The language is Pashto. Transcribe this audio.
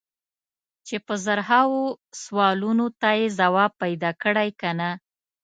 چې په زرهاوو سوالونو ته یې ځواب پیدا کړی که نه.